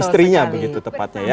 istrinya begitu tepatnya ya